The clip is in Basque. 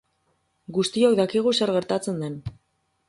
Guztiok dakigu zer gertatzen den.